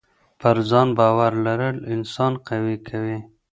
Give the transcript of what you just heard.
پر ځان باور لرل انسان قوي کوي.